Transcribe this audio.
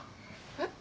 えっ？